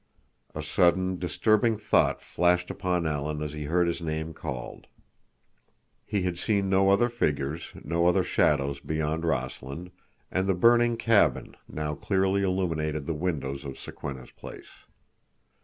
A sudden disturbing thought flashed upon Alan as he heard his name called. He had seen no other figures, no other shadows beyond Rossland, and the burning cabin now clearly illumined the windows of Sokwenna's place.